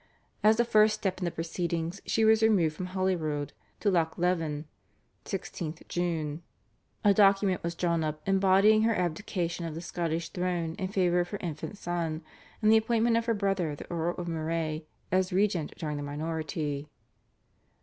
As a first step in the proceedings she was removed from Holyrood to Loch Leven (16th June). A document was drawn up embodying her abdication of the Scottish throne in favour of her infant son, and the appointment of her brother the Earl of Moray as regent during the minority.